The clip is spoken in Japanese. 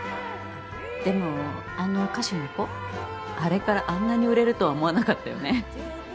でもあの歌手の子あれからあんなに売れるとは思わなかったよね。